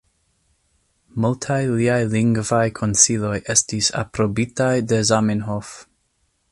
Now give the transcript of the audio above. Multaj liaj lingvaj konsiloj estis aprobitaj de Zamenhof.